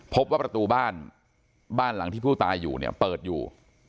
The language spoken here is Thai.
พบว่าประตูบ้านบ้านหลังที่ผู้ตายอยู่เนี่ยเปิดอยู่